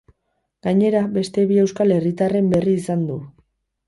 Gainera, beste bi euskal herritarren berri izan du.